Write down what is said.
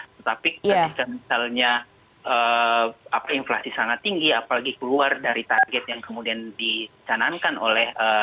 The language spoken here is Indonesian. tetapi ketika misalnya inflasi sangat tinggi apalagi keluar dari target yang kemudian dicanangkan oleh